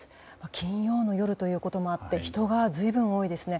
金曜の夜ということもあって人が随分多いですね。